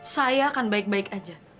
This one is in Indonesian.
saya akan baik baik aja